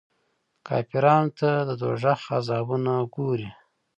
کافرانو ته د دوږخ عذابونه ګوري.